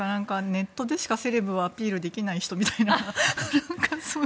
ネットでしかセレブをアピールできない人みたいな。